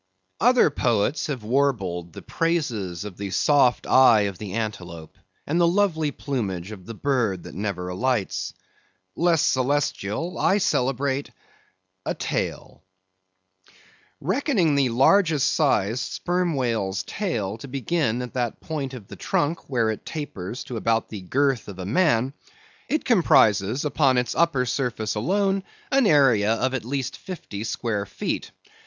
Other poets have warbled the praises of the soft eye of the antelope, and the lovely plumage of the bird that never alights; less celestial, I celebrate a tail. Reckoning the largest sized Sperm Whale's tail to begin at that point of the trunk where it tapers to about the girth of a man, it comprises upon its upper surface alone, an area of at least fifty square feet.